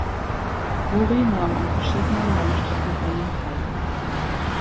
Buri nahm an verschiedenen Langstreckenrennen teil.